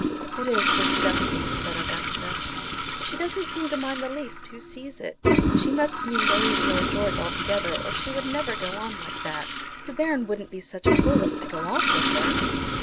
"It is disgusting," said Augusta. "She doesn't seem to mind the least who sees it. She must mean to leave Lord George altogether, or she would never go on like that. De Baron wouldn't be such a fool as to go off with her?"